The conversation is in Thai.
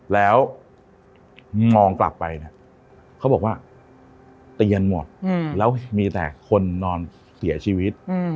แล้วมองกลับไปเนี่ยเขาบอกว่าเตียนหมดแล้วมีแต่คนนอนเสียชีวิต